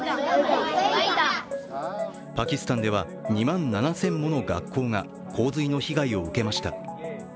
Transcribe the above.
パキスタンでは２万７０００もの学校が洪水の被害を受けました。